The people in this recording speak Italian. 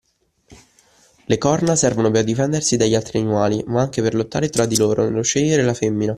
Le corna servono per difendersi dagli altri animali ma anche per lottare tra di loro nello scegliere la femmina.